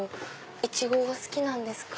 イチゴが好きなんですか？